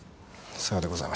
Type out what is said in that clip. さようでございました。